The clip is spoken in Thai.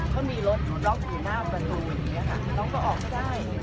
เขามีรถล็อกอยู่หน้าประตูอย่างนี้ค่ะน้องก็ออกไม่ได้